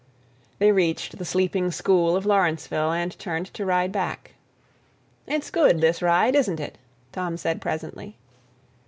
They reached the sleeping school of Lawrenceville, and turned to ride back. "It's good, this ride, isn't it?" Tom said presently.